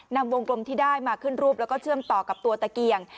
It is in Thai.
นำวงกลมที่ได้มาขึ้นรูปแล้วก็เชื่อมต่อกับตัวตะเกียง